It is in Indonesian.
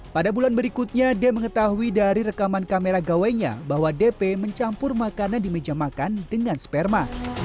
pada bulan berikutnya d mengetahui dari rekaman kamera gawainya bahwa dp mencampur makanan di meja makan dengan sperma